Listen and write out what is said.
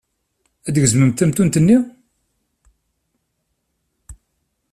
Ad d-gezmemt tamtunt-nni?